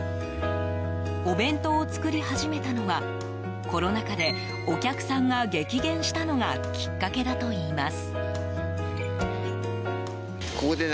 お弁当を作り始めたのはコロナ禍でお客さんが激減したのがきっかけだといいます。